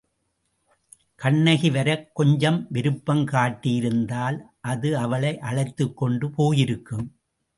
கண்ணகி வரக் கொஞ்சம் விருப்பம் காட்டியிருந்தால் அது அவளை அழைத்துக்கொண்டு போயிருக்கும்.